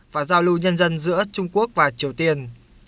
và giao lưu nhân dân giữa trung quốc và triều tiên